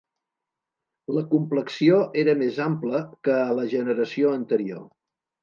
La complexió era més ampla que a la generació anterior.